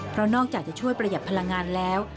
เพราะนอกจากจะช่วยประหยัดพลังงานแล้ว